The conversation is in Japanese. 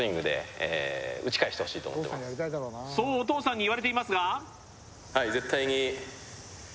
そうお父さんに言われていますが？